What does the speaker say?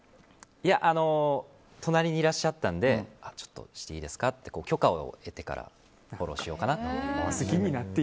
いや、隣にいらっしゃったのでちょっと、していいですかって許可を得てからフォローしようかなと思って。